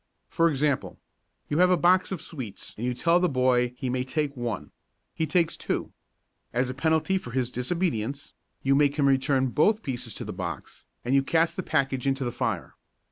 For example: You have a box of sweets and you tell the boy he may take one. He takes two. As a penalty for his disobedience you make him return both pieces to the box and you cast the package into the fire.